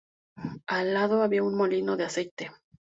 Al lado, había un molino de aceite.